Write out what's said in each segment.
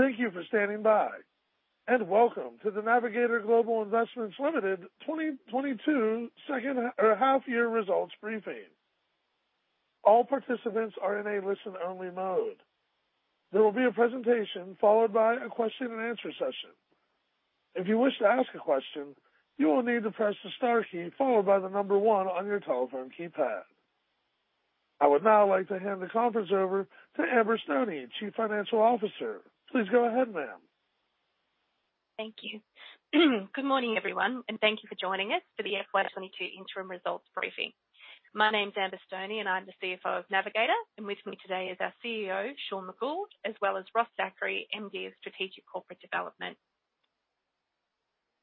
Thank you for standing by and welcome to the Navigator Global Investments Limited 2022 Second Half-Year Results briefing. All participants are in a listen-only mode. There will be a presentation followed by a question and answer session. If you wish to ask a question, you will need to press the star key followed by the number one on your telephone keypad. I would now like to hand the conference over to Amber Stoney, Chief Financial Officer. Please go ahead, ma'am. Thank you. Good morning, everyone, and thank you for joining us for the FY 2022 interim results briefing. My name's Amber Stoney, and I'm the CFO of Navigator. With me today is our CEO, Sean McGould, as well as Ross Zachary, MD of Strategic Corporate Development.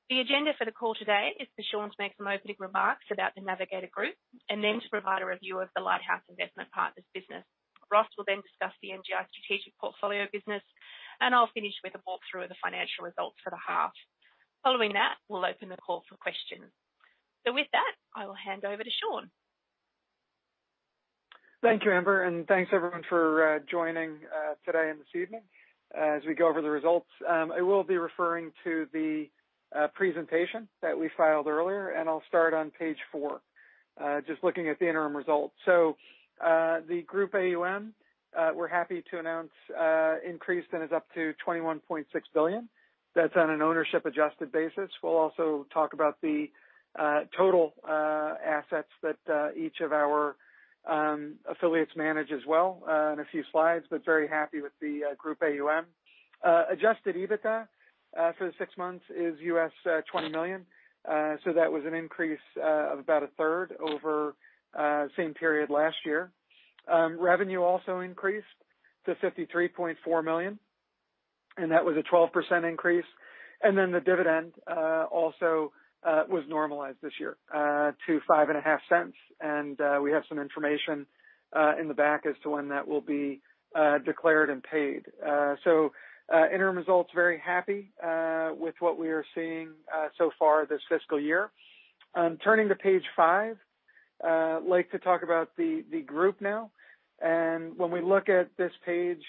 The agenda for the call today is for Sean to make some opening remarks about the Navigator Group and then to provide a review of the Lighthouse Investment Partners business. Ross will then discuss the NGI Strategic Portfolio business, and I'll finish with a walk through of the financial results for the half. Following that, we'll open the call for questions. With that, I will hand over to Sean. Thank you, Amber, and thanks everyone for joining today and this evening. As we go over the results, I will be referring to the presentation that we filed earlier, and I'll start on page four just looking at the interim results. The group AUM, we're happy to announce, increased and is up to 21.6 billion. That's on an ownership adjusted basis. We'll also talk about the total assets that each of our affiliates manage as well in a few slides, but very happy with the group AUM. Adjusted EBITDA for the six months is $20 million. That was an increase of about a third over same period last year. Revenue also increased to 53.4 million, and that was a 12% increase. The dividend also was normalized this year to 0.055. We have some information in the back as to when that will be declared and paid. Interim results. Very happy with what we are seeing so far this fiscal year. Turning to page five, like to talk about the group now. When we look at this page,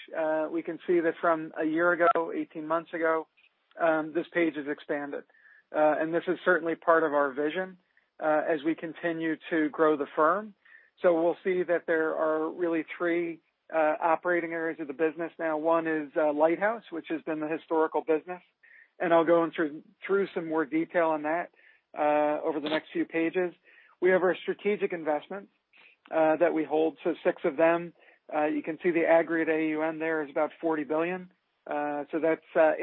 we can see that from a year ago, 18 months ago, this page has expanded. This is certainly part of our vision as we continue to grow the firm. We'll see that there are really three operating areas of the business now. One is Lighthouse, which has been the historical business, and I'll go into some more detail on that over the next few pages. We have our strategic investments that we hold. Six of them, you can see the aggregate AUM there is about 40 billion. That's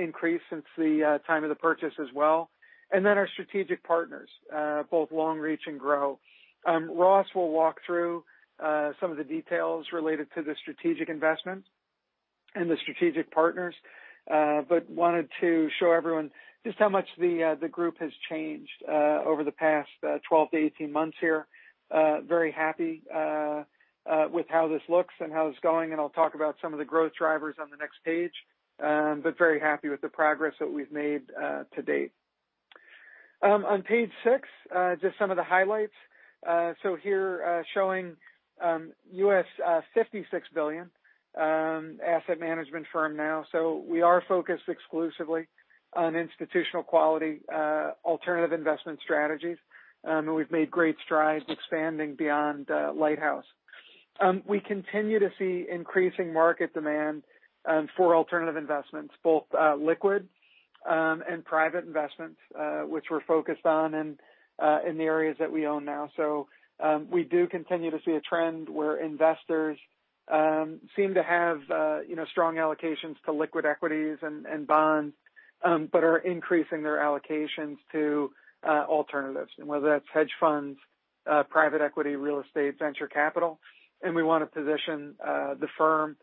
increased since the time of the purchase as well. Then our strategic partners, both Longreach and GROW. Ross will walk through some of the details related to the strategic investments and the strategic partners, but wanted to show everyone just how much the group has changed over the past 12-18 months here. Very happy with how this looks and how it's going, and I'll talk about some of the growth drivers on the next page. Very happy with the progress that we've made to date. On page six, just some of the highlights. Here, showing $56 billion asset management firm now. We are focused exclusively on institutional quality alternative investment strategies. We've made great strides expanding beyond Lighthouse. We continue to see increasing market demand for alternative investments, both liquid and private investments, which we're focused on and in the areas that we own now. We do continue to see a trend where investors seem to have, you know, strong allocations to liquid equities and bonds, but are increasing their allocations to alternatives, and whether that's hedge funds, private equity, real estate, venture capital, and we wanna position the firm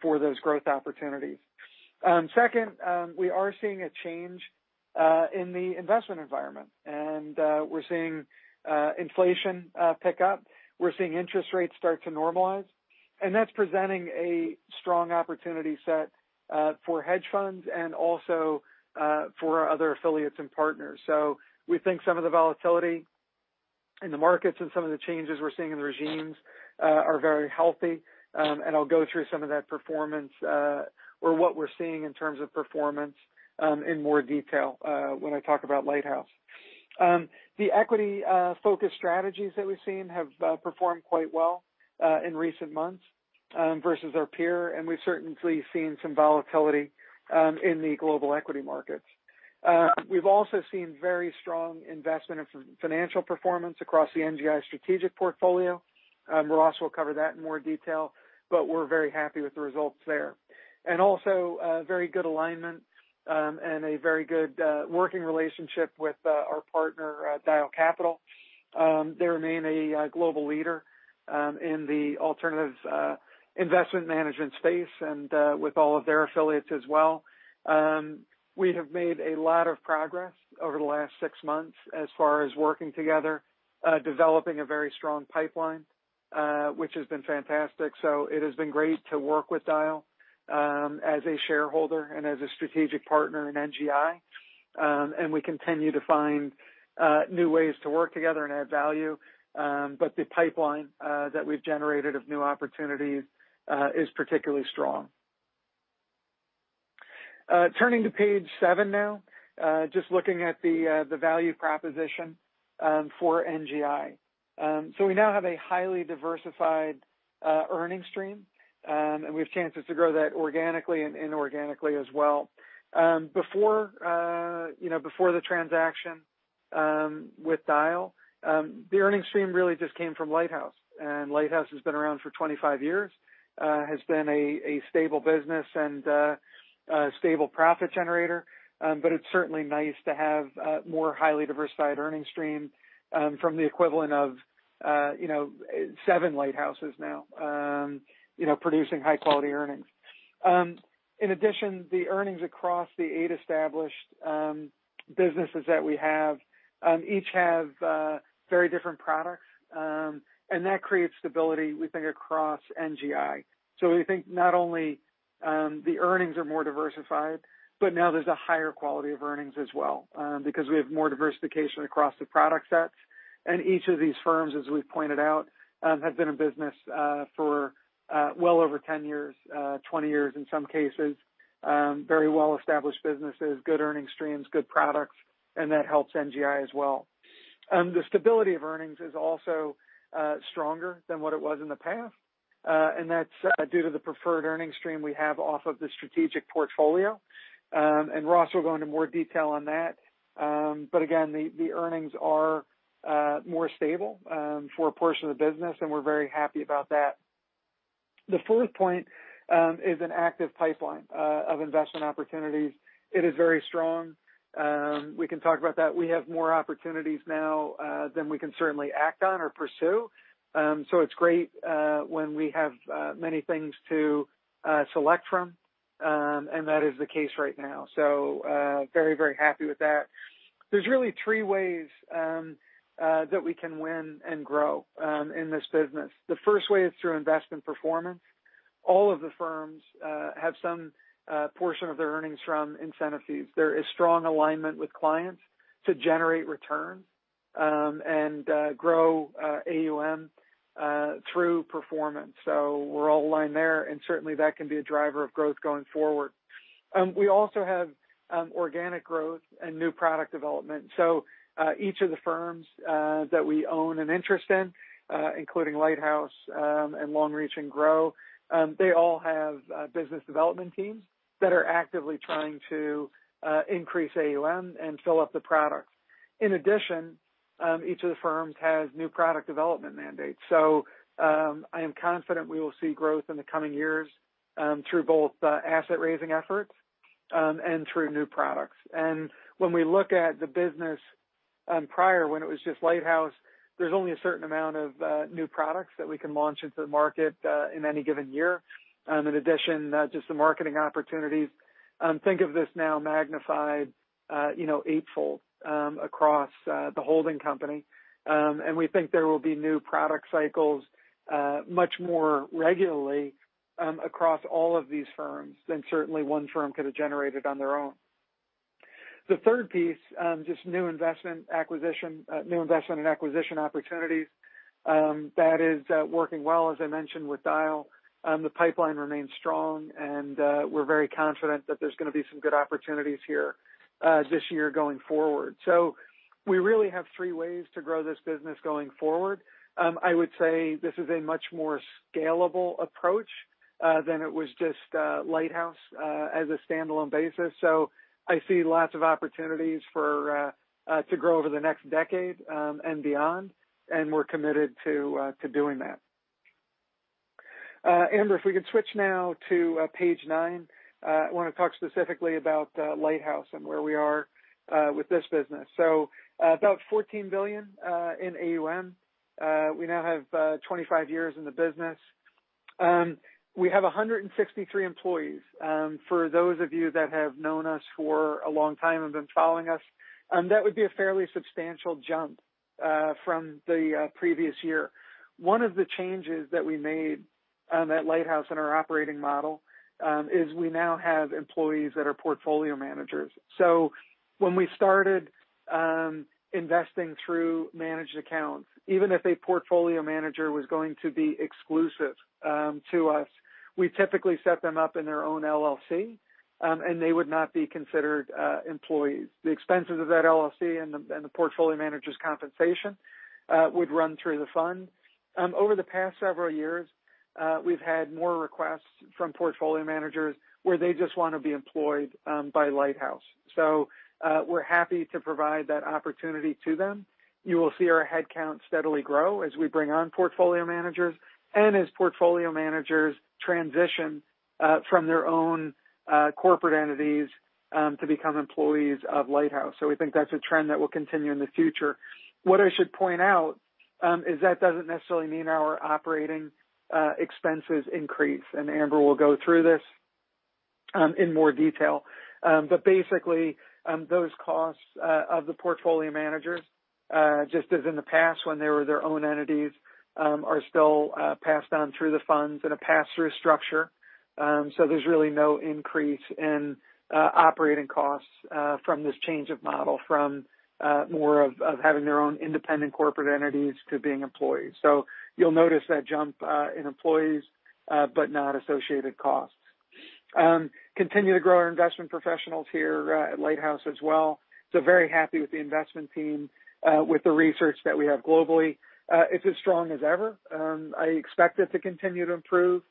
for those growth opportunities. Second, we are seeing a change in the investment environment, and we're seeing inflation pick up. We're seeing interest rates start to normalize, and that's presenting a strong opportunity set for hedge funds and also for our other affiliates and partners. We think some of the volatility in the markets and some of the changes we're seeing in the regimes are very healthy. I'll go through some of that performance, or what we're seeing in terms of performance, in more detail, when I talk about Lighthouse. The equity focus strategies that we've seen have performed quite well in recent months versus our peer, and we've certainly seen some volatility in the global equity markets. We've also seen very strong investment and financial performance across the NGI Strategic Portfolio. Ross will cover that in more detail, but we're very happy with the results there. Also, very good alignment and a very good working relationship with our partner, Dyal Capital. They remain a global leader in the alternative investment management space and with all of their affiliates as well. We have made a lot of progress over the last six months as far as working together, developing a very strong pipeline, which has been fantastic. It has been great to work with Dyal, as a shareholder and as a strategic partner in NGI. We continue to find new ways to work together and add value. The pipeline that we've generated of new opportunities is particularly strong. Turning to page seven now, just looking at the value proposition for NGI. We now have a highly diversified earnings stream, and we have chances to grow that organically and inorganically as well. You know, before the transaction with Dyal, the earnings stream really just came from Lighthouse, and Lighthouse has been around for 25 years. Has been a stable business and a stable profit generator. But it's certainly nice to have more highly diversified earnings stream from the equivalent of, you know, seven Lighthouses now, you know, producing high-quality earnings. In addition, the earnings across the eight established businesses that we have each have very different products and that creates stability, we think, across NGI. We think not only the earnings are more diversified, but now there's a higher quality of earnings as well because we have more diversification across the product sets. Each of these firms, as we've pointed out, have been in business for well over 10 years, 20 years in some cases. Very well-established businesses, good earning streams, good products, and that helps NGI as well. The stability of earnings is also stronger than what it was in the past, and that's due to the preferred earnings stream we have off of the strategic portfolio. Ross will go into more detail on that. Again, the earnings are more stable for a portion of the business, and we're very happy about that. The fourth point is an active pipeline of investment opportunities. It is very strong. We can talk about that. We have more opportunities now than we can certainly act on or pursue. It's great when we have many things to select from, and that is the case right now. Very, very happy with that. There's really three ways that we can win and grow in this business. The first way is through investment performance. All of the firms have some portion of their earnings from incentive fees. There is strong alignment with clients to generate returns, and grow AUM through performance. We're all aligned there, and certainly, that can be a driver of growth going forward. We also have organic growth and new product development. Each of the firms that we own an interest in, including Lighthouse, and Longreach and GROW, they all have business development teams that are actively trying to increase AUM and fill up the products. In addition, each of the firms has new product development mandates. I am confident we will see growth in the coming years through both asset-raising efforts and through new products. When we look at the business, prior, when it was just Lighthouse, there's only a certain amount of new products that we can launch into the market in any given year. In addition, just the marketing opportunities, think of this now magnified, you know, eightfold, across the holding company. We think there will be new product cycles much more regularly across all of these firms than certainly one firm could have generated on their own. The third piece, just new investment and acquisition opportunities, that is working well, as I mentioned, with Dyal. The pipeline remains strong, and we're very confident that there's gonna be some good opportunities here this year going forward. We really have three ways to grow this business going forward. I would say this is a much more scalable approach than it was just Lighthouse as a standalone basis. I see lots of opportunities for to grow over the next decade and beyond, and we're committed to doing that. Amber, if we could switch now to page nine I wanna talk specifically about Lighthouse and where we are with this business. About 14 billion in AUM. We now have 25 years in the business. We have 163 employees. For those of you that have known us for a long time and been following us, that would be a fairly substantial jump from the previous year. One of the changes that we made at Lighthouse in our operating model is we now have employees that are portfolio managers. When we started investing through managed accounts, even if a portfolio manager was going to be exclusive to us, we typically set them up in their own LLC and they would not be considered employees. The expenses of that LLC and the portfolio manager's compensation would run through the fund. Over the past several years we've had more requests from portfolio managers where they just wanna be employed by Lighthouse. We're happy to provide that opportunity to them. You will see our headcount steadily grow as we bring on portfolio managers and as portfolio managers transition from their own corporate entities to become employees of Lighthouse. We think that's a trend that will continue in the future. What I should point out is that doesn't necessarily mean our operating expenses increase, and Amber will go through this in more detail. Basically, those costs of the portfolio managers just as in the past when they were their own entities are still passed on through the funds in a pass-through structure. There's really no increase in operating costs from this change of model from more of having their own independent corporate entities to being employees. You'll notice that jump in employees but not associated costs. We continue to grow our investment professionals here at Lighthouse as well. Very happy with the investment team with the research that we have globally. It's as strong as ever. I expect it to continue to improve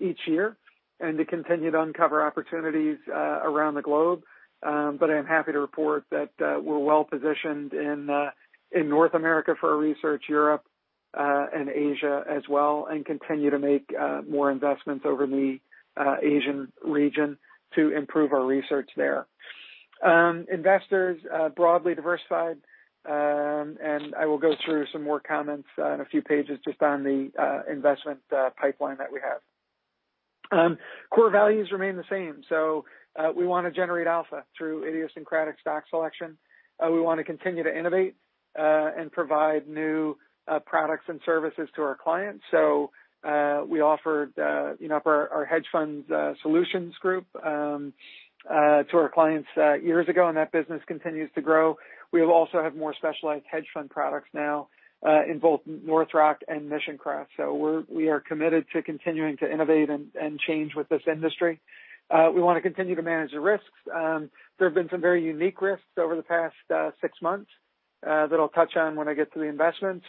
each year and to continue to uncover opportunities around the globe. I'm happy to report that we're well-positioned in North America for our research, Europe, and Asia as well, and continue to make more investments in the Asian region to improve our research there. Our investors are broadly diversified, and I will go through some more comments on a few pages just on the investment pipeline that we have. Core values remain the same. We wanna generate alpha through idiosyncratic stock selection. We wanna continue to innovate and provide new products and services to our clients. We offered, you know, our hedge fund solutions group to our clients years ago, and that business continues to grow. We also have more specialized hedge fund products now in both North Rock and Mission Crest. We are committed to continuing to innovate and change with this industry. We wanna continue to manage the risks. There have been some very unique risks over the past six months that I'll touch on when I get to the investments.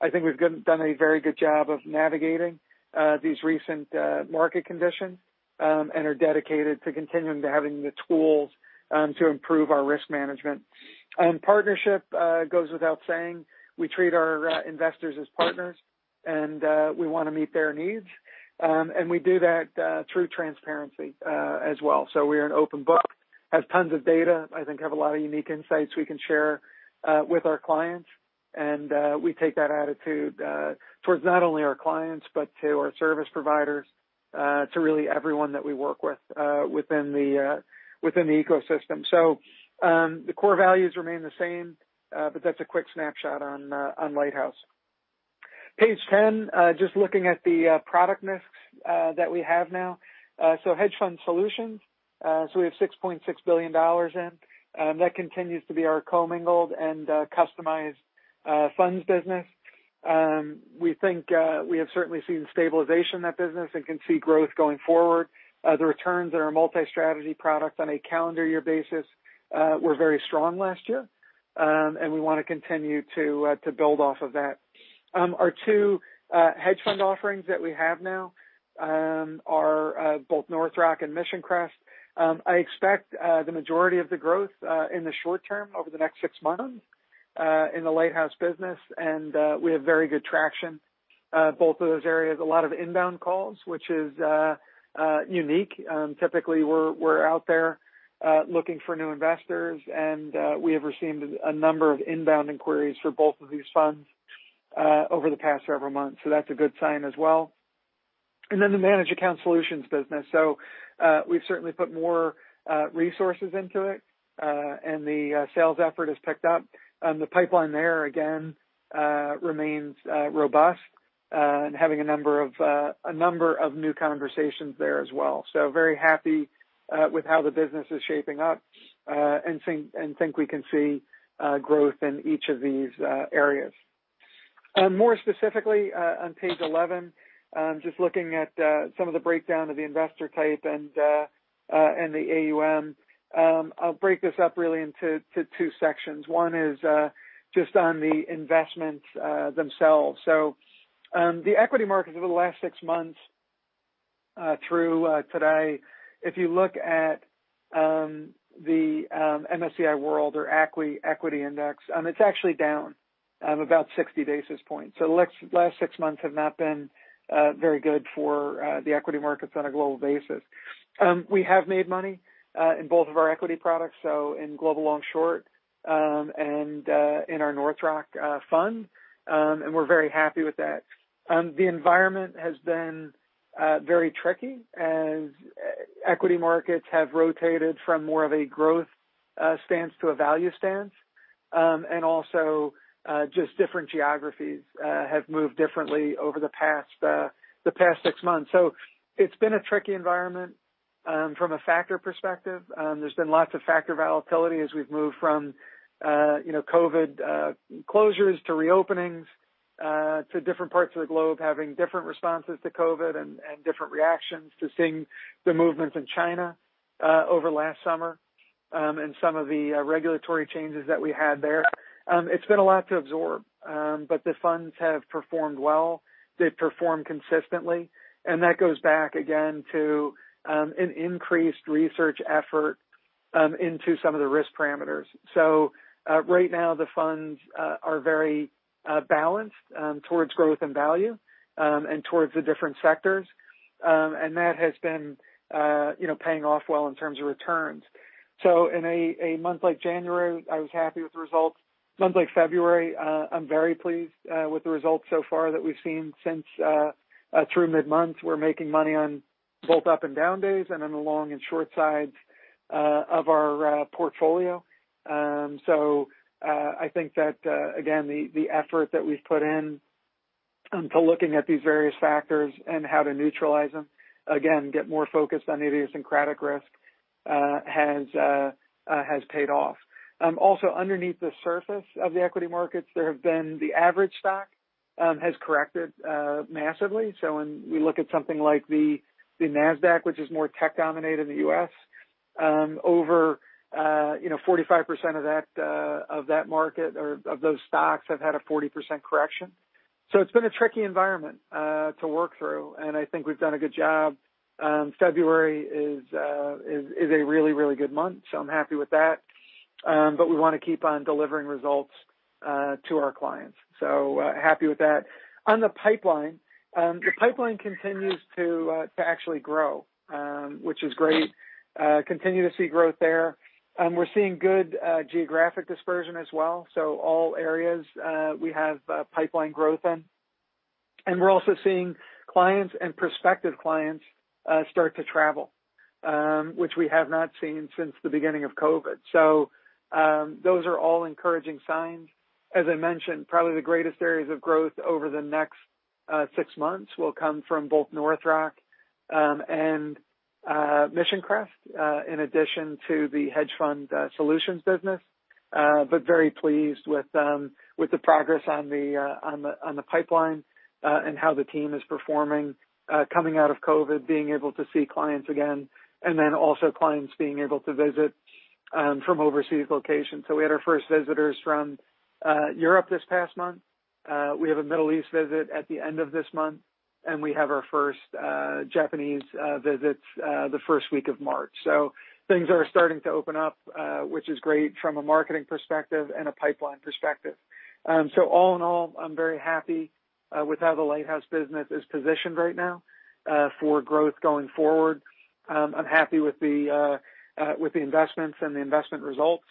I think we've done a very good job of navigating these recent market conditions and are dedicated to continuing to having the tools to improve our risk management. Partnership goes without saying. We treat our investors as partners, and we wanna meet their needs. We do that through transparency as well. We're an open book. We have tons of data. I think we have a lot of unique insights we can share with our clients. We take that attitude towards not only our clients, but to our service providers, to really everyone that we work with within the ecosystem. The core values remain the same, but that's a quick snapshot on Lighthouse. Page 10, just looking at the product mix that we have now. So hedge fund solutions, so we have 6.6 billion dollars in. That continues to be our commingled and customized funds business. We think we have certainly seen stabilization in that business and can see growth going forward. The returns on our multi-strategy products on a calendar year basis were very strong last year, and we wanna continue to build off of that. Our two hedge fund offerings that we have now are both North Rock and Mission Crest. I expect the majority of the growth in the short term over the next six months in the Lighthouse business, and we have very good traction in both of those areas. A lot of inbound calls, which is unique. Typically, we're out there looking for new investors, and we have received a number of inbound inquiries for both of these funds over the past several months. That's a good sign as well. The managed account solutions business. We've certainly put more resources into it, and the sales effort has picked up. The pipeline there, again, remains robust, and having a number of new conversations there as well. Very happy with how the business is shaping up, and think we can see growth in each of these areas. More specifically, on page 11, just looking at some of the breakdown of the investor type and the AUM. I'll break this up really into two sections. One is just on the investments themselves. The equity markets over the last six months through today, if you look at the MSCI World or ACWI equity index, it's actually down about 60 basis points. The last six months have not been very good for the equity markets on a global basis. We have made money in both of our equity products, so in Global Long Short and in our North Rock fund, and we're very happy with that. The environment has been very tricky as equity markets have rotated from more of a growth stance to a value stance. Also, just different geographies have moved differently over the past six months. It's been a tricky environment from a factor perspective. There's been lots of factor volatility as we've moved from, you know, COVID closures to reopenings, to different parts of the globe having different responses to COVID and different reactions to seeing the movements in China over last summer, and some of the regulatory changes that we had there. It's been a lot to absorb, but the funds have performed well. They've performed consistently, and that goes back again to an increased research effort into some of the risk parameters. Right now, the funds are very balanced towards growth and value, and towards the different sectors. That has been, you know, paying off well in terms of returns. In a month like January, I was happy with the results. A month like February, I'm very pleased with the results so far that we've seen since through mid-month. We're making money on both up and down days and on the long and short sides of our portfolio. I think that again, the effort that we've put in to looking at these various factors and how to neutralize them, again get more focused on idiosyncratic risk, has paid off. Also underneath the surface of the equity markets, the average stock has corrected massively. When we look at something like the Nasdaq, which is more tech-dominated in the U.S., over you know 45% of that market or of those stocks have had a 40% correction. It's been a tricky environment to work through, and I think we've done a good job. February is a really good month, so I'm happy with that. We wanna keep on delivering results to our clients. Happy with that. On the pipeline, the pipeline continues to actually grow, which is great. We continue to see growth there. We're seeing good geographic dispersion as well, so all areas we have pipeline growth in. We're also seeing clients and prospective clients start to travel, which we have not seen since the beginning of COVID. Those are all encouraging signs. As I mentioned, probably the greatest areas of growth over the next six months will come from both North Rock and Mission Crest in addition to the hedge fund solutions business. Very pleased with the progress on the pipeline and how the team is performing coming out of COVID, being able to see clients again, and then also clients being able to visit from overseas locations. We had our first visitors from Europe this past month. We have a Middle East visit at the end of this month, and we have our first Japanese visits the first week of March. Things are starting to open up, which is great from a marketing perspective and a pipeline perspective. All in all, I'm very happy with how the Lighthouse business is positioned right now for growth going forward. I'm happy with the investments and the investment results,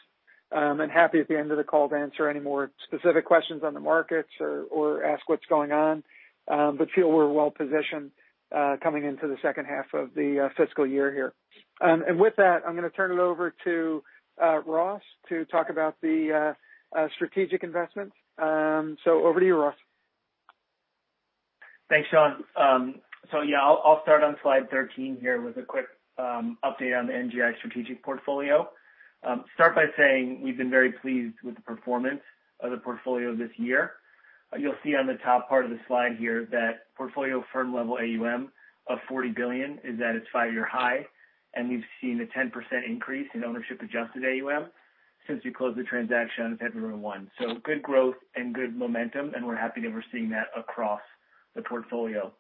and happy at the end of the call to answer any more specific questions on the markets or ask what's going on, but feel we're well positioned coming into the second half of the fiscal year here. With that, I'm gonna turn it over to Ross to talk about the strategic investments. Over to you, Ross. Thanks, Sean. Yeah, I'll start on slide 13 here with a quick update on the NGI Strategic Portfolio. Start by saying we've been very pleased with the performance of the portfolio this year. You'll see on the top part of the slide here that portfolio firm level AUM of 40 billion is at its five-year high, and we've seen a 10% increase in ownership-adjusted AUM since we closed the transaction on February 1. Good growth and good momentum, and we're happy that we're seeing that across the portfolio.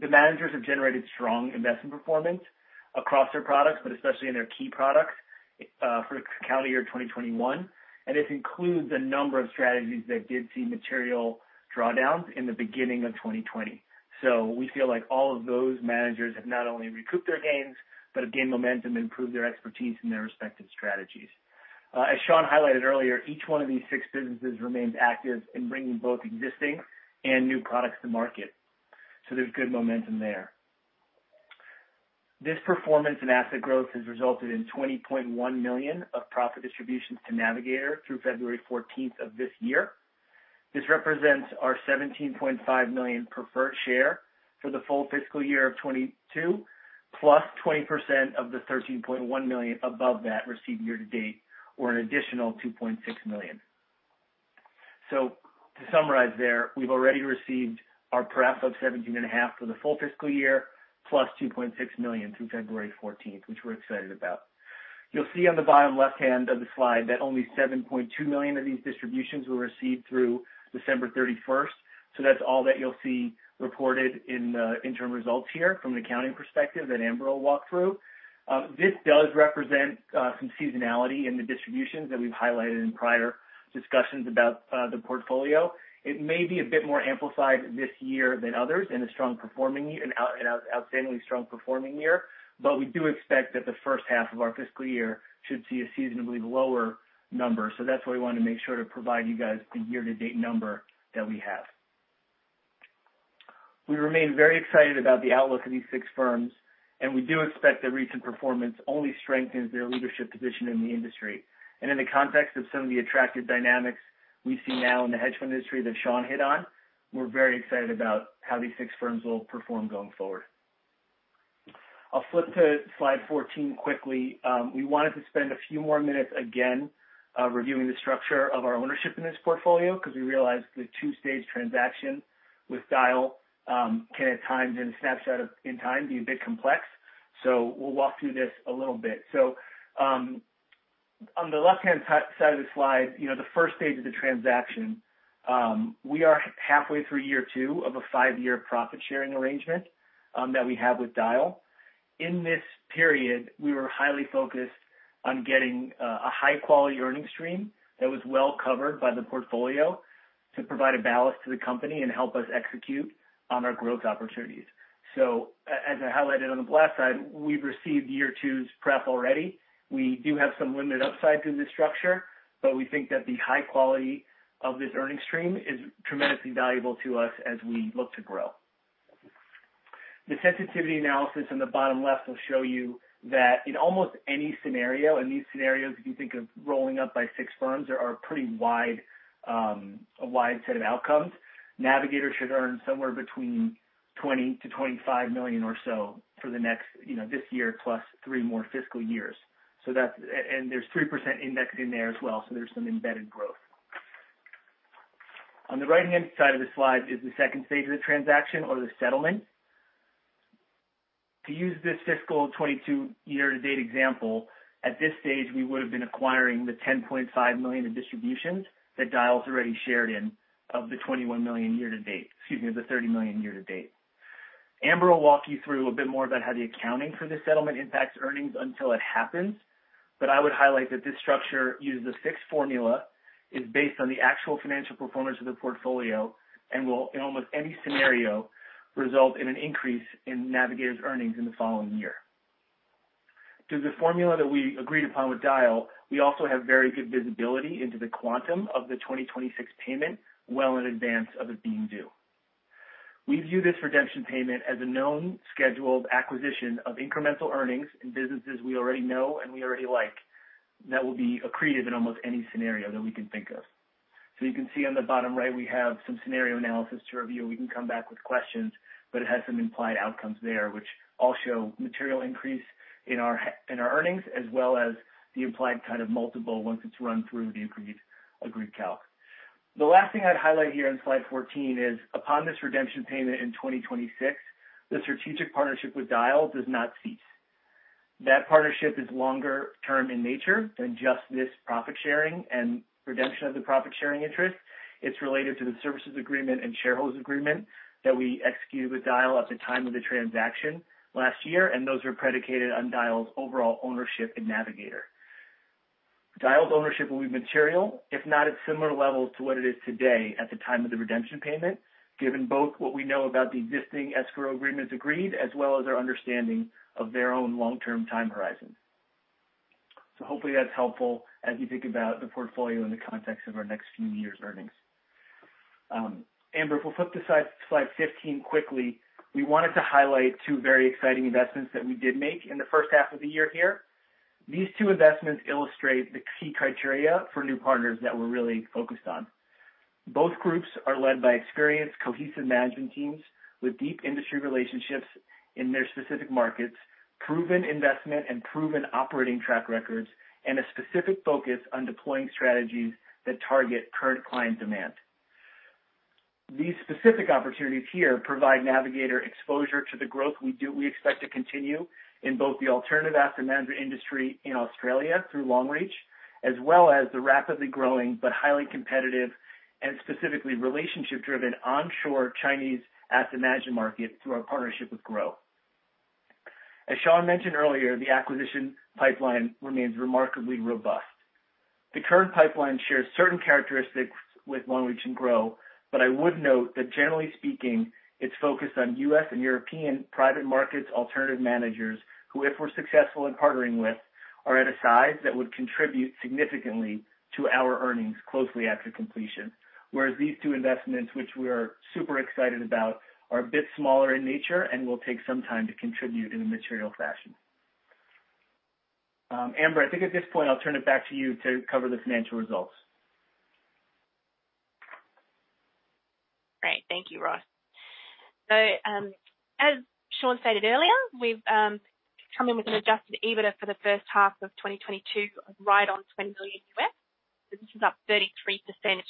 The managers have generated strong investment performance across their products, but especially in their key products, for the calendar year 2021, and this includes a number of strategies that did see material drawdowns in the beginning of 2020. We feel like all of those managers have not only recouped their gains, but have gained momentum and improved their expertise in their respective strategies. As Sean highlighted earlier, each one of these six businesses remains active in bringing both existing and new products to market. There's good momentum there. This performance in asset growth has resulted in 20.1 million of profit distributions to Navigator through February 14 of this year. This represents our 17.5 million preferred share for the full fiscal year of 2022, plus 20% of the 13.1 million above that received year to date, or an additional 2.6 million. To summarize there, we've already received our pref of 17.5 for the full fiscal year, plus 2.6 million through February 14, which we're excited about. You'll see on the bottom left hand of the slide that only 7.2 million of these distributions were received through December 31st. That's all that you'll see reported in the interim results here from an accounting perspective that Amber will walk through. This does represent some seasonality in the distributions that we've highlighted in prior discussions about the portfolio. It may be a bit more amplified this year than others in an outstandingly strong performing year, but we do expect that the first half of our fiscal year should see a seasonally lower number. That's why we wanna make sure to provide you guys the year-to-date number that we have. We remain very excited about the outlook of these six firms, and we do expect their recent performance only strengthens their leadership position in the industry. In the context of some of the attractive dynamics we see now in the hedge fund industry that Sean hit on, we're very excited about how these six firms will perform going forward. I'll flip to slide 14 quickly. We wanted to spend a few more minutes again, reviewing the structure of our ownership in this portfolio because we realized the two-stage transaction with Dyal can at times in a snapshot in time be a bit complex. We'll walk through this a little bit. On the left-hand side of the slide, you know, the first stage of the transaction, we are halfway through year two of a five-year profit sharing arrangement that we have with Dyal. In this period, we were highly focused on getting a high-quality earning stream that was well covered by the portfolio to provide a balance to the company and help us execute on our growth opportunities. As I highlighted on the left side, we've received year two's prep already. We do have some limited upside to this structure, but we think that the high quality of this earning stream is tremendously valuable to us as we look to grow. The sensitivity analysis on the bottom left will show you that in almost any scenario, in these scenarios, if you think of rolling up by six firms, there are pretty wide, a wide set of outcomes. Navigator should earn somewhere between 20 million-25 million or so for the next, you know, this year plus three more fiscal years. That's There's 3% index in there as well, so there's some embedded growth. On the right-hand side of the slide is the second stage of the transaction or the settlement. To use this fiscal 2022 year-to-date example, at this stage, we would have been acquiring the 10.5 million in distributions that Dyal's already shared in of the 21 million year to date. Excuse me, the 30 million year to date. Amber will walk you through a bit more about how the accounting for this settlement impacts earnings until it happens. I would highlight that this structure uses a fixed formula, is based on the actual financial performance of the portfolio, and will, in almost any scenario, result in an increase in Navigator's earnings in the following year. Through the formula that we agreed upon with Dyal, we also have very good visibility into the quantum of the 2026 payment well in advance of it being due. We view this redemption payment as a known scheduled acquisition of incremental earnings in businesses we already know and we already like. That will be accretive in almost any scenario that we can think of. You can see on the bottom right, we have some scenario analysis to review. We can come back with questions, but it has some implied outcomes there which all show material increase in our earnings, as well as the implied kind of multiple once it's run through the increased agreed calc. The last thing I'd highlight here in slide 14 is upon this redemption payment in 2026, the strategic partnership with Dyal does not cease. That partnership is longer term in nature than just this profit sharing and redemption of the profit-sharing interest. It's related to the services agreement and shareholders agreement that we executed with Dyal at the time of the transaction last year, and those are predicated on Dyal's overall ownership in Navigator. Dyal's ownership will be material, if not at similar levels to what it is today at the time of the redemption payment, given both what we know about the existing escrow agreements agreed, as well as our understanding of their own long-term time horizon. Hopefully that's helpful as you think about the portfolio in the context of our next few years' earnings. Amber, if we flip to slide 15 quickly. We wanted to highlight two very exciting investments that we did make in the first half of the year here. These two investments illustrate the key criteria for new partners that we're really focused on. Both groups are led by experienced, cohesive management teams with deep industry relationships in their specific markets, proven investment and proven operating track records, and a specific focus on deploying strategies that target current client demand. These specific opportunities here provide Navigator exposure to the growth we expect to continue in both the alternative asset management industry in Australia through Longreach, as well as the rapidly growing but highly competitive and specifically relationship-driven onshore Chinese asset management market through our partnership with Grow. As Sean mentioned earlier, the acquisition pipeline remains remarkably robust. The current pipeline shares certain characteristics with Longreach and Grow, but I would note that generally speaking, it's focused on U.S. and European private markets, alternative managers, who, if we're successful in partnering with, are at a size that would contribute significantly to our earnings closely after completion. Whereas these two investments, which we're super excited about, are a bit smaller in nature and will take some time to contribute in a material fashion. Amber, I think at this point I'll turn it back to you to cover the financial results. Great. Thank you, Ross. As Sean stated earlier, we've come in with an Adjusted EBITDA for the first half of 2022, right on $20 million. This is up 33%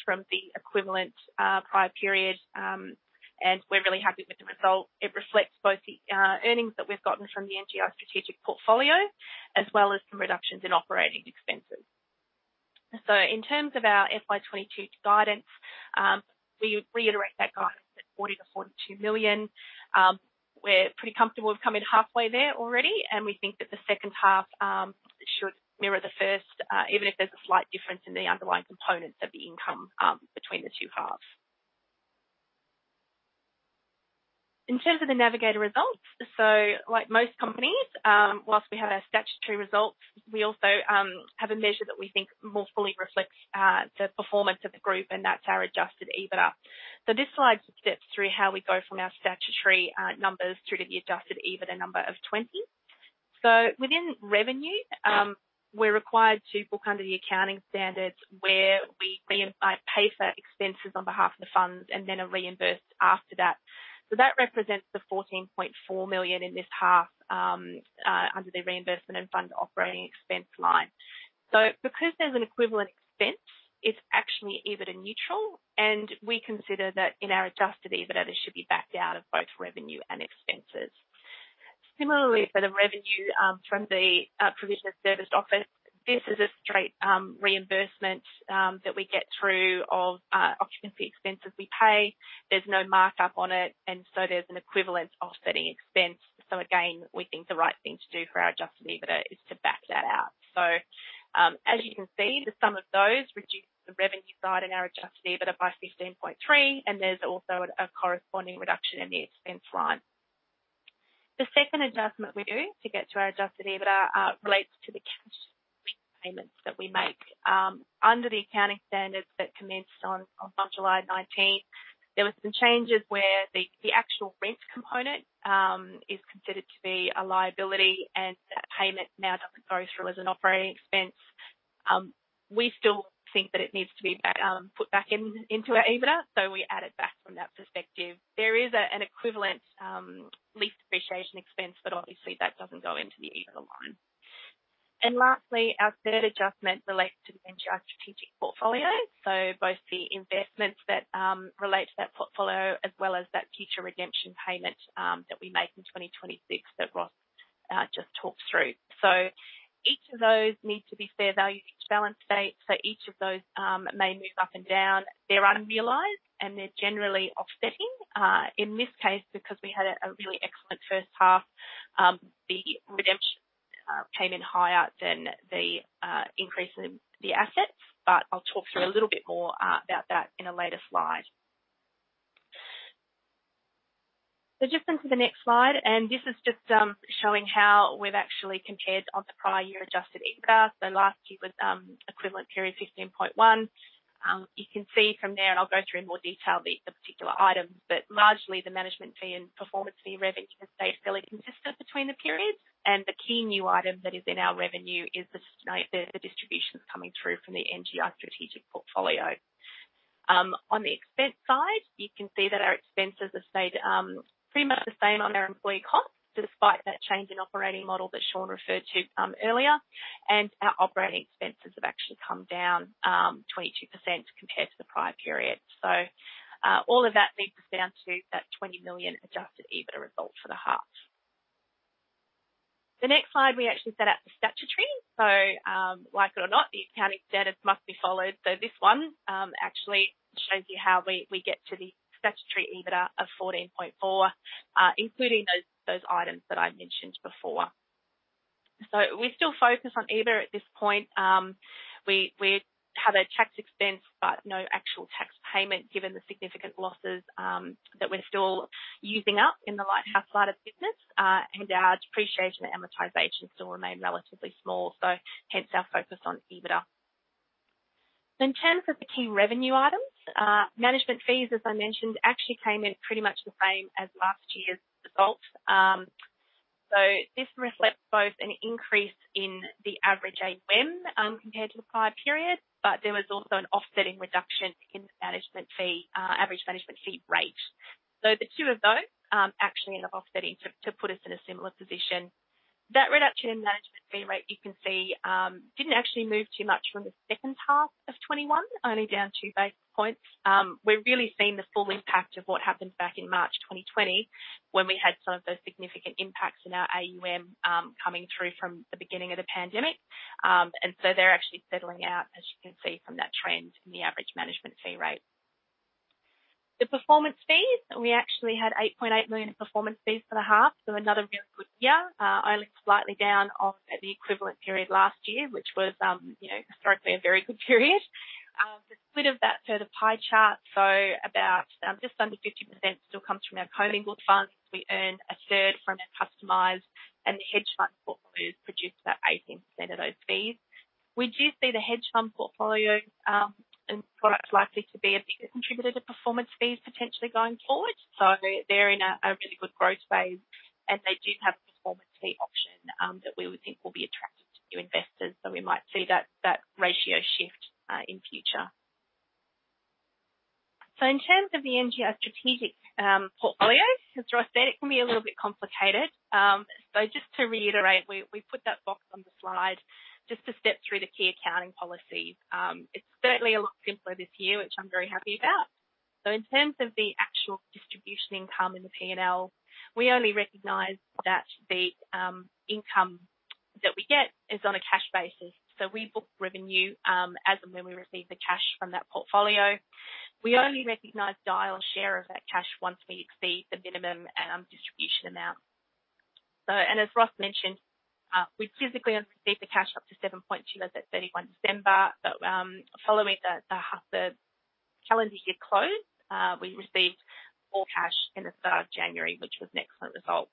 from the equivalent prior period, and we're really happy with the result. It reflects both the earnings that we've gotten from the NGI Strategic Portfolio as well as some reductions in operating expenses. In terms of our FY 2022 guidance, we reiterate that guidance at $40 million-$42 million. We're pretty comfortable with coming halfway there already, and we think that the second half should mirror the first, even if there's a slight difference in the underlying components of the income between the two halves. In terms of the Navigator results, like most companies, while we have our statutory results, we also have a measure that we think more fully reflects the performance of the group, and that's our Adjusted EBITDA. This slide steps through how we go from our statutory numbers through to the Adjusted EBITDA number of 20 million. Within revenue, we're required to book under the accounting standards where we pay for expenses on behalf of the funds and then are reimbursed after that. That represents the 14.4 million in this half under the reimbursement and fund operating expense line. Because there's an equivalent expense, it's actually EBITDA neutral, and we consider that in our Adjusted EBITDA, this should be backed out of both revenue and expenses. Similarly for the revenue from the provision of serviced office, this is a straight reimbursement that we get through of occupancy expenses we pay. There's no markup on it, and so there's an equivalent offsetting expense. Again, we think the right thing to do for our Aadjusted EBITDA is to back that out. As you can see, the sum of those reduce the revenue side and our Adjusted EBITDA by 15.3, and there's also a corresponding reduction in the expense line. The second adjustment we do to get to our Adjusted EBITDA relates to the cash payments that we make. Under the accounting standards that commenced on July 19th, there were some changes where the actual rent component is considered to be a liability and that payment now doesn't go through as an operating expense. We still think that it needs to be back, put back in, into our EBITDA, so we add it back from that perspective. There is an equivalent, lease depreciation expense, but obviously that doesn't go into the EBITDA line. Lastly, our third adjustment relates to the NGI Strategic Portfolio. Both the investments that relate to that portfolio as well as that future redemption payment that we make in 2026 that Ross just talked through. Each of those need to be fair value each balance date. Each of those may move up and down. They're unrealized, and they're generally offsetting. In this case, because we had a really excellent first half, the redemption came in higher than the increase in the assets, but I'll talk through a little bit more about that in a later slide. Just on to the next slide, and this is just showing how we've actually compared to the prior year Adjusted EBITDA. Last year was equivalent period, 15.1. You can see from there, and I'll go through in more detail the particular items, but largely the management fee and performance fee revenue has stayed fairly consistent between the periods. The key new item that is in our revenue is the distributions coming through from the NGI Strategic Portfolio. On the expense side, you can see that our expenses have stayed pretty much the same on our employee costs, despite that change in operating model that Sean referred to earlier. Our operating expenses have actually come down 22% compared to the prior period. All of that equals down to that $20 million Adjusted EBITDA result for the half. The next slide, we actually set out the statutory. Like it or not, the accounting standards must be followed. This one actually shows you how we get to the statutory EBITDA of $14.4 million, including those items that I mentioned before. We still focus on EBITDA at this point. We have a tax expense but no actual tax payment given the significant losses that we're still using up in the Lighthouse side of business, and our depreciation and amortization still remain relatively small, so hence our focus on EBITDA. In terms of the key revenue items, management fees, as I mentioned, actually came in pretty much the same as last year's result. This reflects both an increase in the average AUM compared to the prior period, but there was also an offsetting reduction in management fee average management fee rate. The two of those actually end up offsetting to put us in a similar position. That reduction in management fee rate you can see didn't actually move too much from the second half of 2021, only down two basis points. We're really seeing the full impact of what happened back in March 2020, when we had some of those significant impacts in our AUM coming through from the beginning of the pandemic. They're actually settling out, as you can see from that trend in the average management fee rate. The performance fees, we actually had 8.8 million in performance fees for the half, so another real good year. Only slightly down on the equivalent period last year, which was, you know, historically a very good period. The split of that per the pie chart, so about just under 50% still comes from our co-mingled funds. We earn a third from our customized, and the hedge fund portfolio produced about 18% of those fees. We do see the hedge fund portfolio and products likely to be a bigger contributor to performance fees potentially going forward. They're in a really good growth phase, and they do have a performance fee option that we would think will be attractive to new investors. We might see that ratio shift in future. In terms of the NGI strategic portfolio, as Ross said, it can be a little bit complicated. Just to reiterate, we put that box on the slide just to step through the key accounting policies. It's certainly a lot simpler this year, which I'm very happy about. In terms of the actual distribution income in the P&L, we only recognize that the income that we get is on a cash basis. We book revenue as and when we receive the cash from that portfolio. We only recognize Dyal's share of that cash once we exceed the minimum distribution amount. As Ross mentioned, we physically received the cash up to 7.2 as at 31 December, but following the half calendar year close, we received all cash on the 3rd of January, which was an excellent result.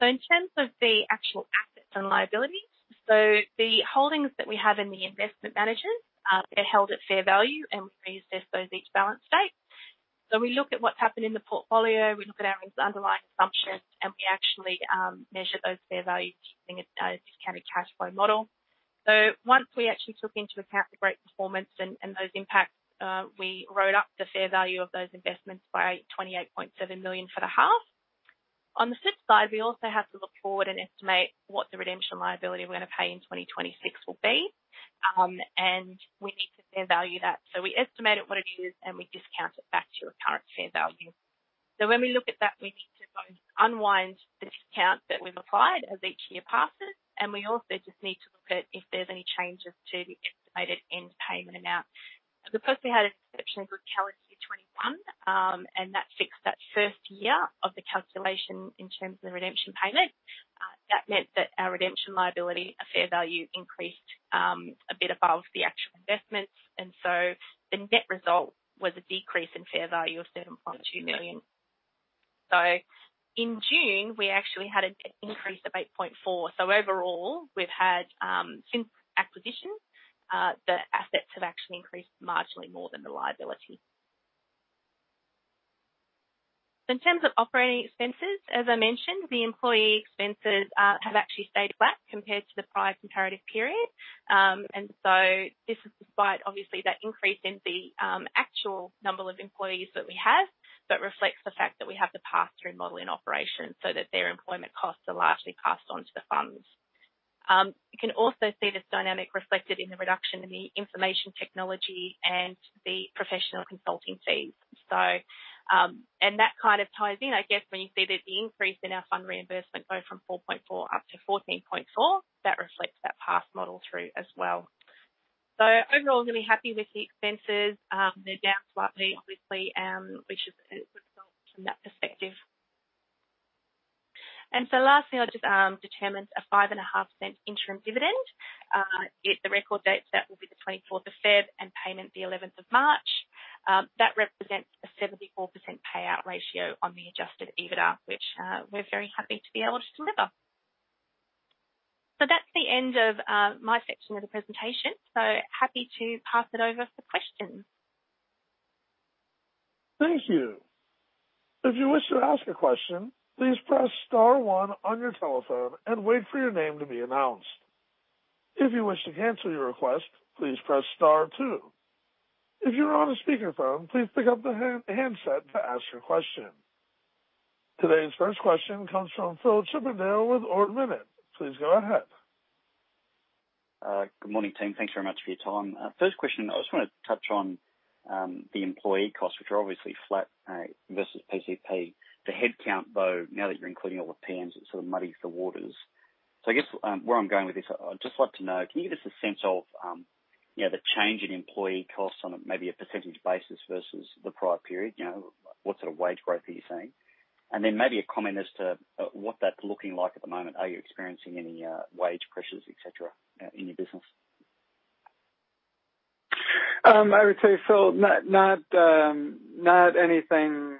In terms of the actual assets and liabilities, the holdings that we have in the investment managers, they're held at fair value, and we reassess those each balance date. We look at what's happened in the portfolio, we look at our underlying assumptions, and we actually measure those fair values using a discounted cash flow model. Once we actually took into account the great performance and those impacts, we wrote up the fair value of those investments by 28.7 million for the half. On the flip side, we also have to look forward and estimate what the redemption liability we're gonna pay in 2026 will be. We need to fair value that. We estimated what it is, and we discount it back to a current fair value. When we look at that, we need to both unwind the discount that we've applied as each year passes, and we also just need to look at if there's any changes to the estimated end payment amount. Because we had exceptionally good calendar year 2021, and that fixed that first year of the calculation in terms of the redemption payment, that meant that our redemption liability, our fair value increased a bit above the actual investments. The net result was a decrease in fair value of 7.2 million. In June, we actually had an increase of 8.4 million. Overall, we've had since acquisition, the assets have actually increased marginally more than the liability. In terms of operating expenses, as I mentioned, the employee expenses have actually stayed flat compared to the prior comparative period. This is despite obviously that increase in the actual number of employees that we have, but reflects the fact that we have the pass-through model in operation so that their employment costs are largely passed on to the funds. You can also see this dynamic reflected in the reduction in the information technology and the professional consulting fees. That kind of ties in, I guess, when you see that the increase in our fund reimbursement go from 4.4 up to 14.4, that reflects that pass-through model through as well. Overall, really happy with the expenses. They're down slightly, obviously, which is a good result from that perspective. Lastly, I just determined an AUD 0.055 interim dividend. The record dates, that will be the 24th of February and payment the 11th of March. That represents a 74% payout ratio on the Adjusted EBITDA, which we're very happy to be able to deliver. That's the end of my section of the presentation. Happy to pass it over for questions. Thank you. If you wish to ask a question, please press star one on your telephone and wait for your name to be announced. If you wish to cancel your request, please press star two. If you're on a speakerphone, please pick up the handset to ask your question. Today's first question comes from Phillip Chippindale with Ord Minnett. Please go ahead. Good morning, team. Thanks very much for your time. First question, I just wanna touch on the employee costs, which are obviously flat versus PCP. The head count, though, now that you're including all the PMs, it sort of muddies the waters. I guess, where I'm going with this, I'd just like to know, can you give us a sense of, you know, the change in employee costs on a maybe a percentage basis versus the prior period? You know, what sort of wage growth are you seeing? Then maybe a comment as to what that's looking like at the moment. Are you experiencing any wage pressures, et cetera, in your business? I would say, Phil, not anything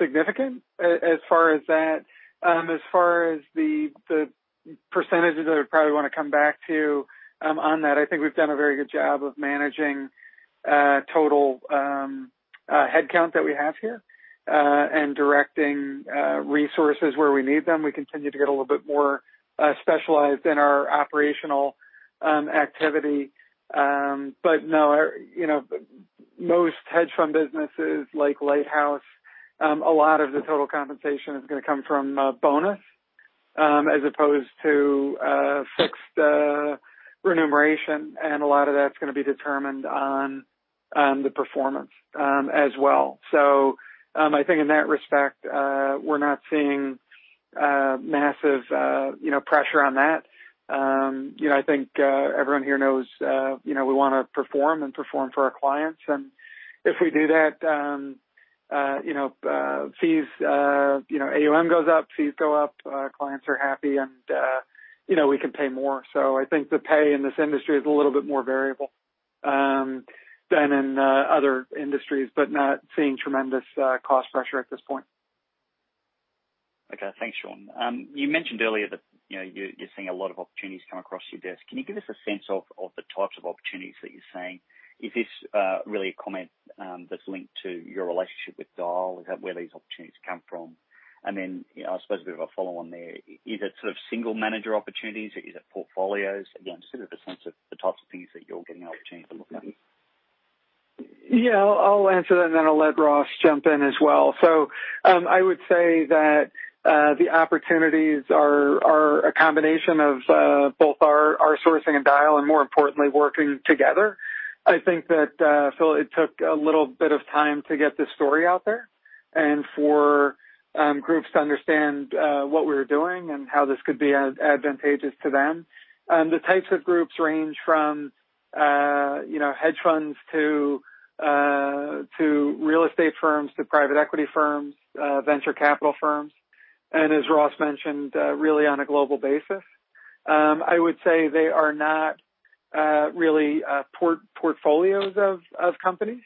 significant as far as that. As far as the percentages, I would probably wanna come back to you on that. I think we've done a very good job of managing total head count that we have here and directing resources where we need them. We continue to get a little bit more specialized in our operational activity. But no, you know, most hedge fund businesses like Lighthouse, a lot of the total compensation is gonna come from bonus as opposed to fixed remuneration, and a lot of that's gonna be determined on the performance as well. I think in that respect, we're not seeing massive you know pressure on that. You know, I think everyone here knows you know, we wanna perform for our clients. If we do that, you know, fees you know, AUM goes up, fees go up, our clients are happy, and you know, we can pay more. I think the pay in this industry is a little bit more variable than in other industries, but not seeing tremendous cost pressure at this point. Okay. Thanks, Sean. You mentioned earlier that, you know, you're seeing a lot of opportunities come across your desk. Can you give us a sense of the types of opportunities that you're seeing? Is this really a comment that's linked to your relationship with Dyal, is that where these opportunities come from? And then, you know, I suppose a bit of a follow on there. Is it sort of single manager opportunities? Is it portfolios? Again, just give us a sense of the types of things that you're getting the opportunity to look at. Yeah. I'll answer that, and then I'll let Ross jump in as well. I would say that the opportunities are a combination of both our sourcing and Dyal, and more importantly, working together. I think that Phil, it took a little bit of time to get this story out there and for groups to understand what we were doing and how this could be advantageous to them. The types of groups range from you know, hedge funds to real estate firms, to private equity firms, venture capital firms, and as Ross mentioned, really on a global basis. I would say they are not really portfolios of companies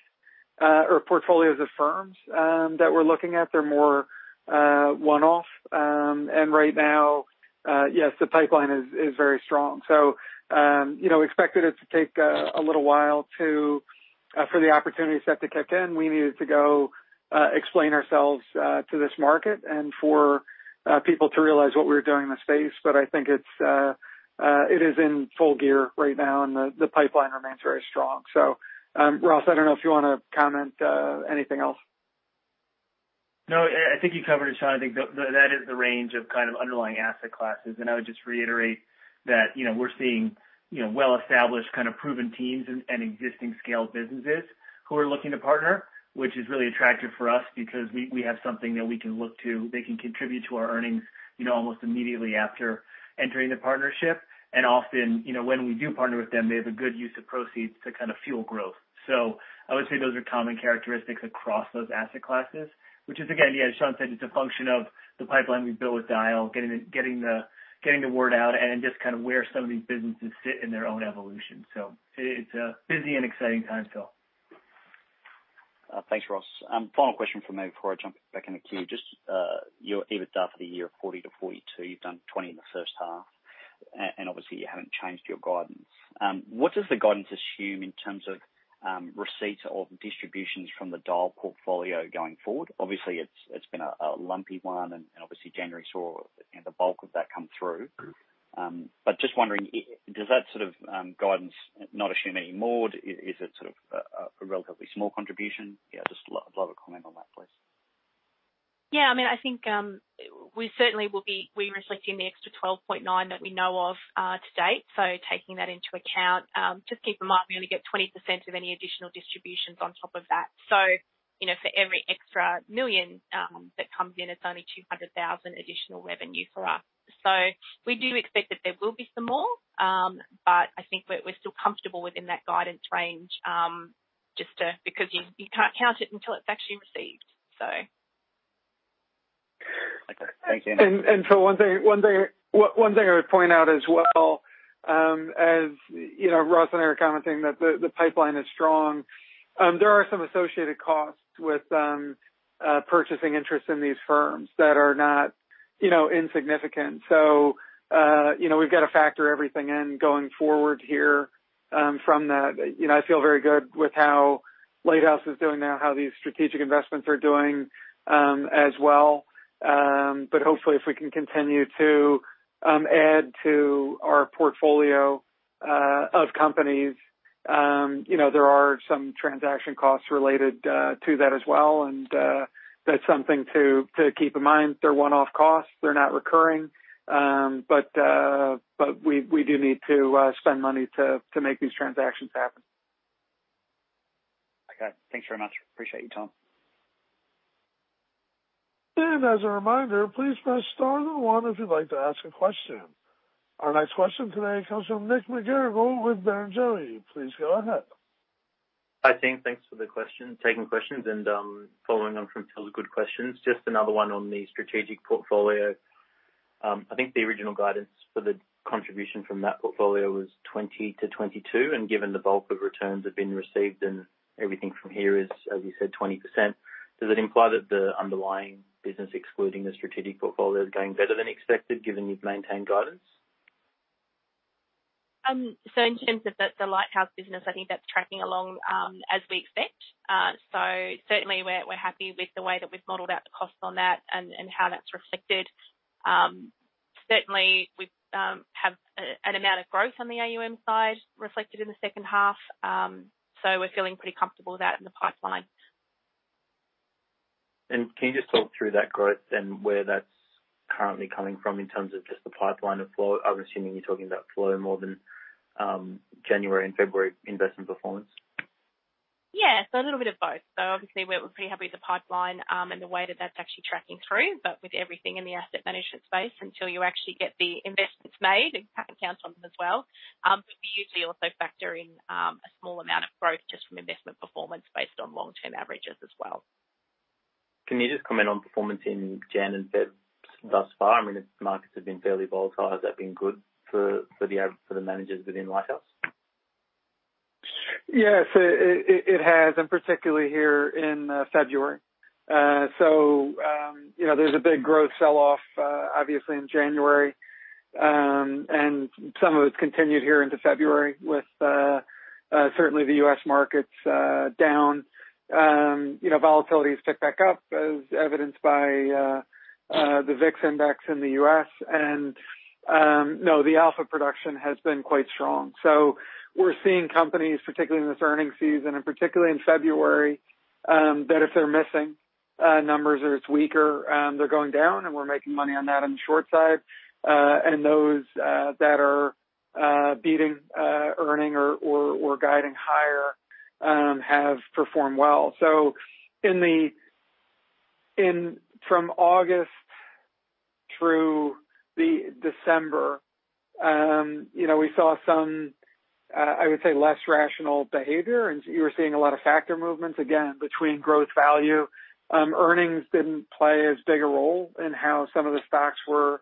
or portfolios of firms that we're looking at. They're more one-off. Right now, yes, the pipeline is very strong. We expected it to take a little while for the opportunity set to kick in. We needed to go explain ourselves to this market and for people to realize what we were doing in the space. I think it is in full gear right now, and the pipeline remains very strong. Ross, I don't know if you wanna comment anything else. No. I think you covered it, Sean. I think that is the range of kind of underlying asset classes. I would just reiterate that, you know, we're seeing, you know, well-established, kind of proven teams and existing scaled businesses who are looking to partner, which is really attractive for us because we have something that we can look to. They can contribute to our earnings, you know, almost immediately after entering the partnership. Often, you know, when we do partner with them, they have a good use of proceeds to kind of fuel growth. I would say those are common characteristics across those asset classes, which is, again, yeah, as Sean said, it's a function of the pipeline we've built with Dyal, getting the word out and just kind of where some of these businesses sit in their own evolution. It's a busy and exciting time, Phil. Thanks, Ross. Final question for me before I jump back in the queue. Just your EBITDA for the year of 40 million-42 million. You've done 20 million in the first half. Obviously you haven't changed your guidance. What does the guidance assume in terms of receipts or distributions from the Dyal portfolio going forward? Obviously, it's been a lumpy one and obviously January saw you know the bulk of that come through. Just wondering, does that sort of guidance not assume any more? Is it sort of a relatively small contribution? Yeah, just love a comment on that, please. Yeah, I mean, I think, we're reflecting the extra 12.9 million that we know of, to date. Taking that into account, just keep in mind, we only get 20% of any additional distributions on top of that. You know, for every extra 1 million that comes in, it's only 200,000 additional revenue for us. We do expect that there will be some more, but I think we're still comfortable within that guidance range, just, because you can't count it until it's actually received. Okay, thanks. One thing I would point out as well, you know, Ross and I are commenting that the pipeline is strong. There are some associated costs with purchasing interest in these firms that are not, you know, insignificant. You know, we've got to factor everything in going forward here from the. You know, I feel very good with how Lighthouse is doing now, how these strategic investments are doing, as well. Hopefully, if we can continue to add to our portfolio of companies, you know, there are some transaction costs related to that as well. That's something to keep in mind. They're one-off costs. They're not recurring. We do need to spend money to make these transactions happen. Okay. Thanks very much. Appreciate you, Tom. As a reminder, please press star then one if you'd like to ask a question. Our next question today comes from Nick McGarrigle with Barrenjoey. Please go ahead. Hi, team. Thanks for the question, taking questions and, following on from Philip's good questions, just another one on the Strategic Portfolio. I think the original guidance for the contribution from that portfolio was 20-22, and given the bulk of returns have been received and everything from here is, as you said, 20%. Does it imply that the underlying business excluding the Strategic Portfolio is going better than expected, given you've maintained guidance? In terms of the Lighthouse business, I think that's tracking along as we expect. Certainly we're happy with the way that we've modeled out the costs on that and how that's reflected. Certainly we have an amount of growth on the AUM side reflected in the second half. We're feeling pretty comfortable with that in the pipeline. Can you just talk through that growth and where that's currently coming from in terms of just the pipeline of flow? I'm assuming you're talking about flow more than January and February investment performance. Yeah, a little bit of both. Obviously we're pretty happy with the pipeline, and the way that that's actually tracking through. With everything in the asset management space, until you actually get the investments made and can't count on them as well. We usually also factor in a small amount of growth just from investment performance based on long-term averages as well. Can you just comment on performance in January and February thus far? I mean, the markets have been fairly volatile. Has that been good for the managers within Lighthouse? Yes, it has, particularly here in February. You know, there's a big growth sell-off obviously in January. Some of it's continued here into February with certainly the U.S. markets down. You know, volatility has ticked back up as evidenced by the VIX index in the U.S. Now, the alpha production has been quite strong. We're seeing companies, particularly in this earnings season and particularly in February, that if they're missing numbers or it's weaker, they're going down and we're making money on that on the short side. Those that are beating earnings or guiding higher have performed well. In from August through December, you know, we saw some, I would say less rational behavior, and you were seeing a lot of factor movements again between growth value. Earnings didn't play as big a role in how some of the stocks were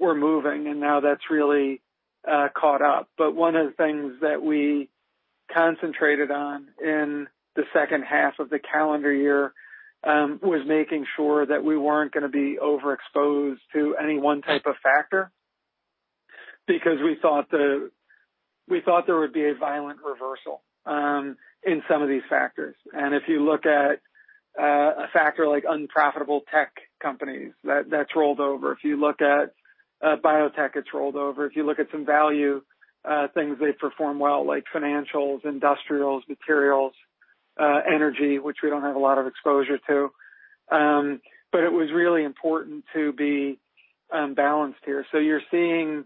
moving, and now that's really caught up. But one of the things that we concentrated on in the second half of the calendar year was making sure that we weren't gonna be overexposed to any one type of factor because we thought there would be a violent reversal in some of these factors. If you look at a factor like unprofitable tech companies, that's rolled over. If you look at biotech, it's rolled over. If you look at some value things, they perform well, like financials, industrials, materials, energy, which we don't have a lot of exposure to. It was really important to be balanced here. You're seeing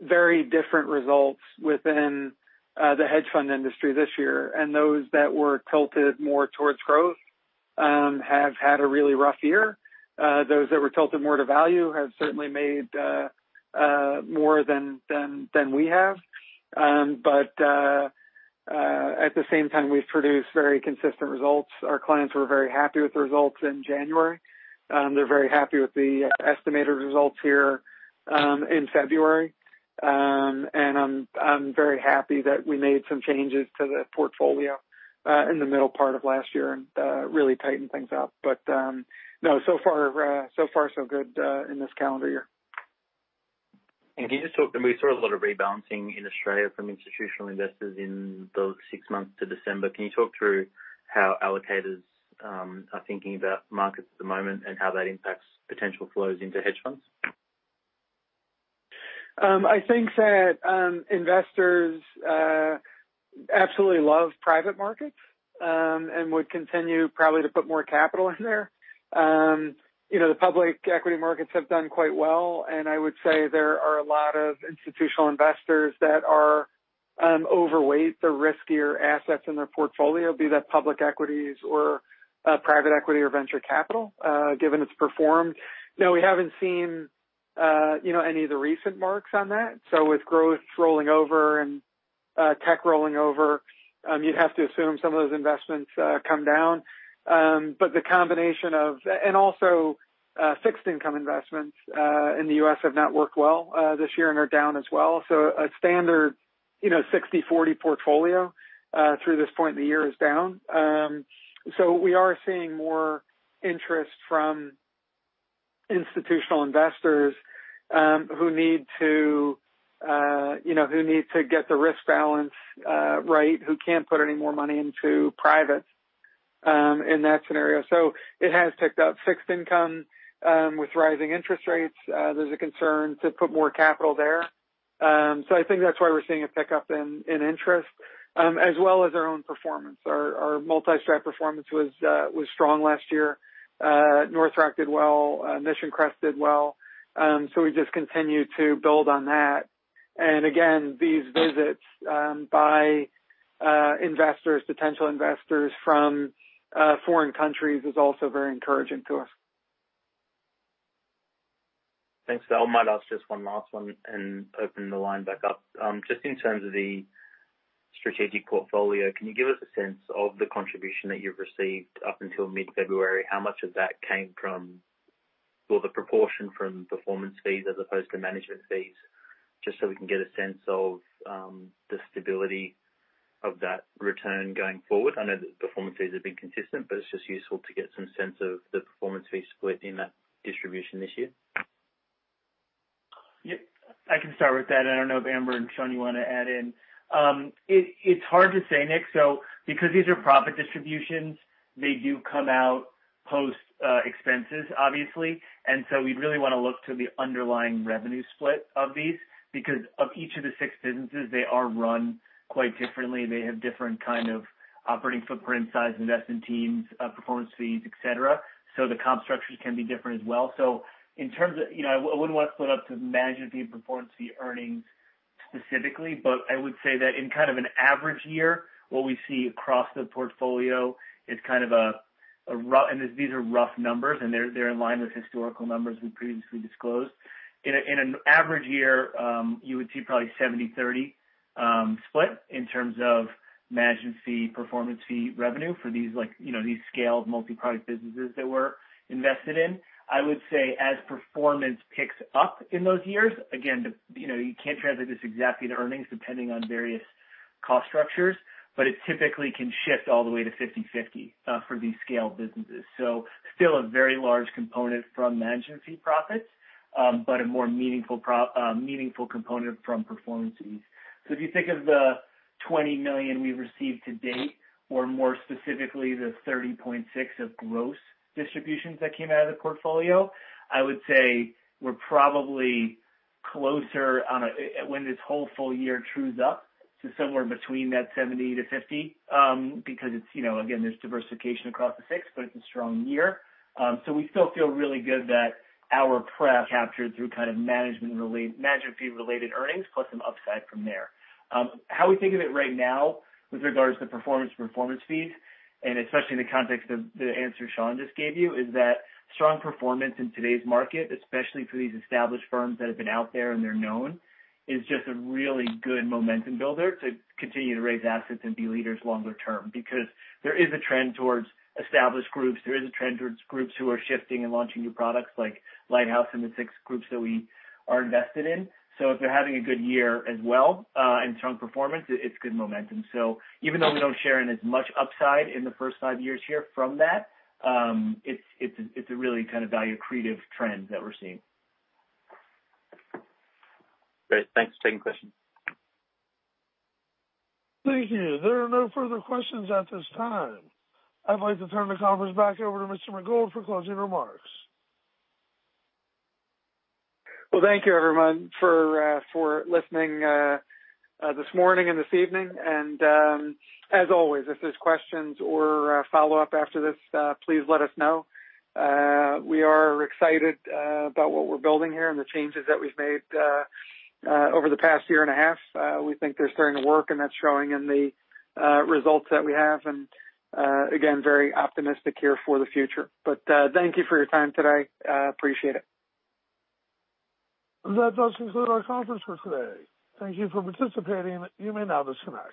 very different results within the hedge fund industry this year. Those that were tilted more towards growth have had a really rough year. Those that were tilted more to value have certainly made more than we have. At the same time, we've produced very consistent results. Our clients were very happy with the results in January. They're very happy with the estimated results here in February. I'm very happy that we made some changes to the portfolio in the middle part of last year and really tightened things up. No, so far, so good in this calendar year. We saw a lot of rebalancing in Australia from institutional investors in those six months to December. Can you talk through how allocators are thinking about markets at the moment and how that impacts potential flows into hedge funds? I think that investors absolutely love private markets and would continue probably to put more capital in there. You know, the public equity markets have done quite well, and I would say there are a lot of institutional investors that are overweight the riskier assets in their portfolio, be that public equities or private equity or venture capital given it's performed. No, we haven't seen you know any of the recent marks on that. With growth rolling over and tech rolling over, you'd have to assume some of those investments come down. Also, fixed income investments in the U.S. have not worked well this year and are down as well. A standard you know 60/40 portfolio through this point in the year is down. We are seeing more interest from institutional investors, who need to, you know, get the risk balance right, who can't put any more money into privates in that scenario. It has ticked up fixed income. With rising interest rates, there's a concern to put more capital there. I think that's why we're seeing a pickup in interest, as well as our own performance. Our multi-strat performance was strong last year. North Rock did well, Mission Crest did well. We just continue to build on that. Again, these visits by investors, potential investors from foreign countries is also very encouraging to us. Thanks. I might ask just one last one and open the line back up. Just in terms of the strategic portfolio, can you give us a sense of the contribution that you've received up until mid-February? How much of that came from or the proportion from performance fees as opposed to management fees, just so we can get a sense of the stability of that return going forward. I know that performance fees have been consistent, but it's just useful to get some sense of the performance fee split in that distribution this year. Yeah, I can start with that. I don't know if Amber and Sean, you wanna add in. It's hard to say, Nick. Because these are profit distributions, they do come out post expenses, obviously. We'd really wanna look to the underlying revenue split of these because each of the six businesses, they are run quite differently. They have different kind of operating footprint size, investment teams, performance fees, et cetera. The comp structures can be different as well. In terms of, you know, I wouldn't wanna split up the management fee and performance fee earnings specifically, but I would say that in kind of an average year, what we see across the portfolio is kind of a rough. These are rough numbers, and they're in line with historical numbers we previously disclosed. In an average year, you would see probably 70/30 split in terms of management fee, performance fee revenue for these like, you know, these scaled multi-product businesses that we're invested in. I would say as performance picks up in those years, you know, you can't translate this exactly to earnings depending on various cost structures, but it typically can shift all the way to 50/50 for these scaled businesses. Still a very large component from management fee profits, but a more meaningful component from performance fees. If you think of the 20 million we've received to date, or more specifically, the 30.6 million of gross distributions that came out of the portfolio, I would say we're probably closer on a... When this whole full year trues up to somewhere between that 70-50, because it's, you know, again, there's diversification across the six, but it's a strong year. We still feel really good that our prep captured through kind of management-related, management fee-related earnings, plus some upside from there. How we think of it right now with regards to performance fees, and especially in the context of the answer Sean just gave you, is that strong performance in today's market, especially for these established firms that have been out there and they're known, is just a really good momentum builder to continue to raise assets and be leaders longer term. There is a trend towards established groups. There is a trend towards groups who are shifting and launching new products like Lighthouse and the six groups that we are invested in. If they're having a good year as well, in strong performance, it's good momentum. Even though we don't share in as much upside in the first five years here from that, it's a really kind of value accretive trend that we're seeing. Great. Thanks. Second question. Thank you. There are no further questions at this time. I'd like to turn the conference back over to Mr. McGould for closing remarks. Well, thank you everyone for listening this morning and this evening. As always, if there's questions or follow-up after this, please let us know. We are excited about what we're building here and the changes that we've made over the past year and a half. We think they're starting to work, and that's showing in the results that we have, and again, very optimistic here for the future. Thank you for your time today. Appreciate it. That does conclude our conference for today. Thank you for participating. You may now disconnect.